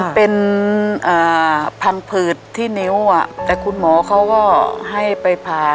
เป็นพังผืดที่นิ้วแต่คุณหมอเขาก็ให้ไปผ่า